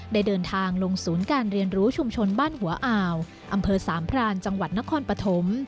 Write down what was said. ได้เดินทางลงศูนย์การเรียนรู้ชุมชนบ้านหัวอ่าวอำเภอสามพรานจังหวัดนครปฐม